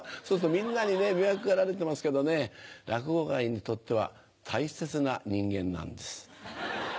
そうするとみんなに迷惑がられてますけどね落語界にとっては大切な人間なんです。